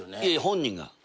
いや本人が。